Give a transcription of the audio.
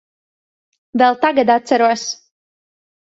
Vēl tagad atceros.